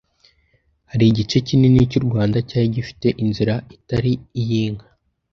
Hari igice kinini cy'u Rwanda cyari gifite inzira itari iy'inka,